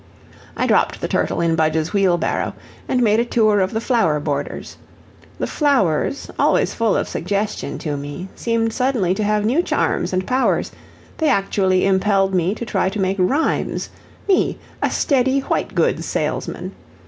I dropped the turtle in Budge's wheelbarrow, and made a tour of the flower borders. The flowers, always full of suggestion to me, seemed suddenly to have new charms and powers; they actually impelled me to try to make rhymes, me, a steady white goods salesman!